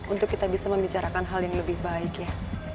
untuk kita bisa membicarakan hal yang lebih baik ya